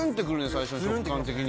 最初食感的に。